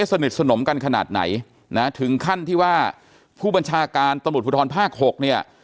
สนิทสนมกันขนาดไหนนะถึงขั้นที่ว่าผู้บัญชาการตำรวจภูทรภาค๖เนี่ย